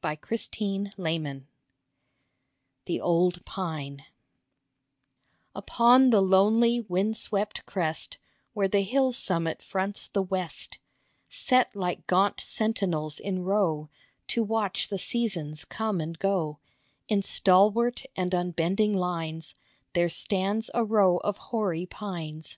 THE OLD PINE 89 THE OLD PINE UPON the lonely, wind swept crest, Where the hill summit fronts the west, Set like gaunt sentinels in row To watch the seasons come and go, In stalwart and unbending lines, There stands a row of hoary pines.